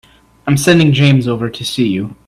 I'm sending James over to see you.